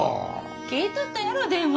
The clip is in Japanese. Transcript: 聞いとったやろ電話。